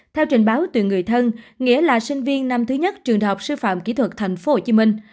theo trình báo tuyển người thân nghĩa là sinh viên năm thứ nhất trường đại học sư phạm kỹ thuật thành phố hồ chí minh